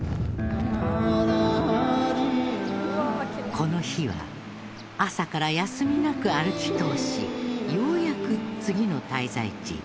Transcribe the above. この日は朝から休みなく歩き通しようやく次の滞在地